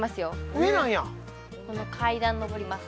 上なんやこの階段のぼります